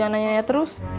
jangan nanya nanya terus